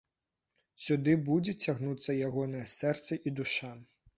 Сюды будзе цягнуцца ягонае сэрца і душа.